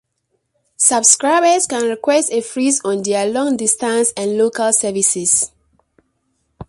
Subscribers can request a "freeze" on their long distance and local services.